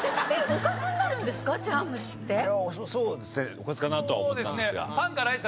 おかずかなとは思ったんですが。